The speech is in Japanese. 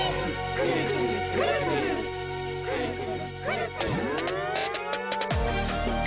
くるくるくるくるくるくるくるくる。